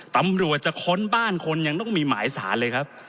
ตำรวจจะค้นบ้านคนยังต้องมีหมายสารเลยครับ